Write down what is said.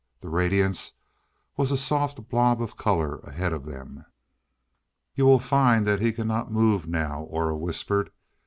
The radiance was a soft blob of color ahead of them. "You will find that he cannot move now," Aura whispered.